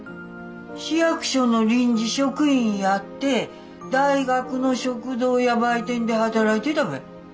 市役所の臨時職員やって大学の食堂や売店で働いてたべ。